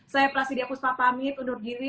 saya prasidya puspa pamit undur diri